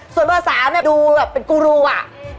ส่วนเบอร์๓เนี่ยดูแบบเป็นกูรูอ่ะ